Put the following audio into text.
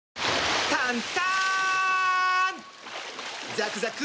ザクザク！